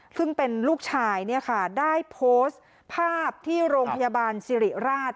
ซึ่งเป็นลูกชายเนี่ยค่ะได้โพสต์ภาพที่โรงพยาบาลสิริราช